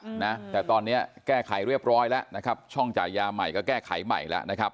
อืมนะแต่ตอนเนี้ยแก้ไขเรียบร้อยแล้วนะครับช่องจ่ายยาใหม่ก็แก้ไขใหม่แล้วนะครับ